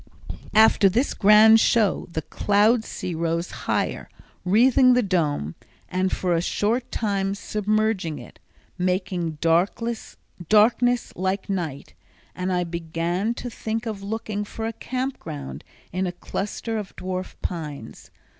After this grand show the cloud sea rose higher, wreathing the Dome, and for a short time submerging it, making darkness like night, and I began to think of looking for a camp ground in a cluster of dwarf pines.